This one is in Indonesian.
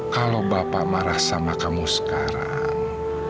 kalau bapak marah sama kamu sekarang